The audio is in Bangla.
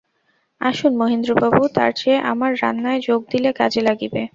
আসুন মহীন্দ্রবাবু, তার চেয়ে আমার রান্নায় যোগ দিলে কাজে লাগিবে।